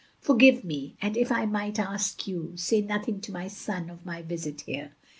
"Forgive me; and if I might ask you — say nothing to my son of my visit here.